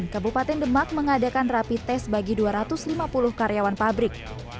kabupaten demak mengadakan rapi tes bagi dua ratus lima puluh karyawan pabrik